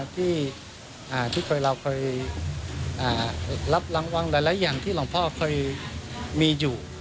ที่เราเคยรับรางวัลหลายอย่างที่หลวงพ่อเคยมีอยู่